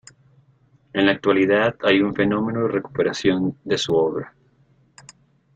En la actualidad hay un fenómeno de recuperación de su obra.